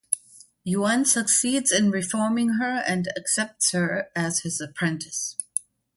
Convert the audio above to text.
Yuan succeeds in reforming her and accepts her as his apprentice.